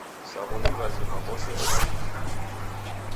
Sa w'omi w'azima w'ose omoni ni mlisha.